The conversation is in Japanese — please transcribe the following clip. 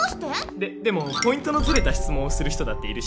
ででもポイントのずれた質問をする人だっているし。